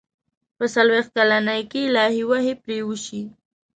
په څلوېښت کلنۍ کې الهي وحي پرې وشي.